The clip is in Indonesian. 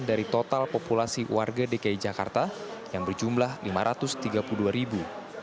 dari total populasi warga dki jakarta yang berjumlah lima ratus tiga puluh dua ribu